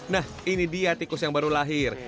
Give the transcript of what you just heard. nah ini dia tikus yang baru lahir